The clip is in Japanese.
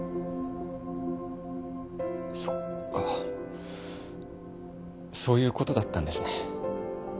そっかそういうことだったんですね